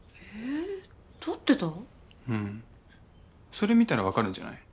それ見たらわかるんじゃない？